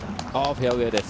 フェアウエーです。